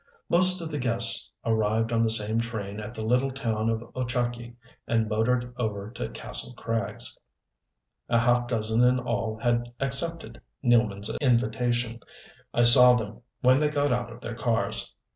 Most of the guests arrived on the same train at the little town of Ochakee, and motored over to Kastle Krags. A half dozen in all had accepted Nealman's invitation. I saw them when they got out of their cars.